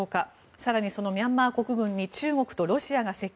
更にそのミャンマー国軍に中国とロシアが接近。